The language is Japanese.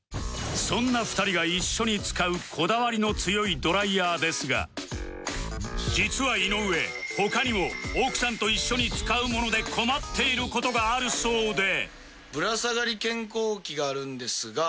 そんな２人が一緒に使うこだわりの強いドライヤーですが実は井上他にも奥さんと一緒に使うもので困っている事があるそうで